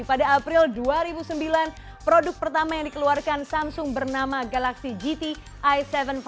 pada april dua ribu sembilan produk pertama yang dikeluarkan samsung bernama galaxy gt i tujuh ratus sepuluh